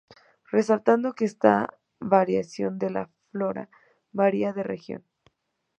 Resaltando que esta variación de la flora varía de región.